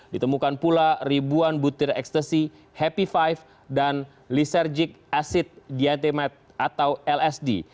ditemukan pula ribuan butir ekstasi hepi lima dan lysergic acid diatemat atau lsd